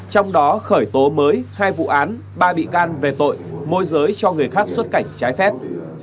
trong đó khởi tố mới hai vụ án ba bị can về tội môi giới cho người khác xuất cảnh trái phép